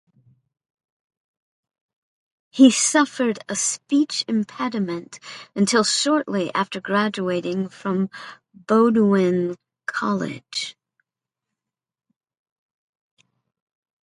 He suffered a speech impediment until shortly after graduating from Bowdoin College.